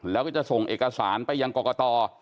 แล้วก็จะส่งเอกสารไปยังกรกต